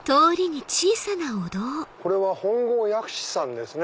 これは本郷薬師さんですね。